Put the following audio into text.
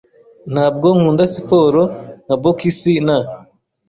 Ntabwo nkunda siporo nka bokisi na